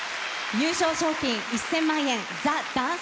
優勝賞金１０００万円、ＴＨＥＤＡＮＣＥＤＡＹ。